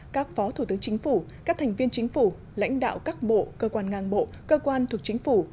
các phó thủ tướng chính phủ các thành viên chính phủ lãnh đạo các bộ cơ quan ngang bộ cơ quan thuộc chính phủ